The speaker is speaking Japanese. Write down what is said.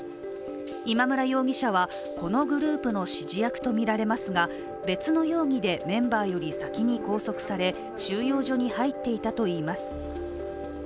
今村容疑者はこのグループの指示役とみられますが別の容疑でメンバーより先に拘束され収容所に入っていたといいます。